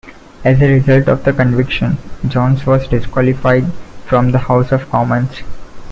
As a result of the conviction, Jones was disqualified from the House of Commons.